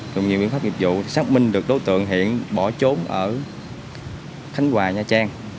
dùng nhiều biện pháp nghiệp vụ xác minh được tố tượng hiện bỏ trốn ở khánh hòa nha trang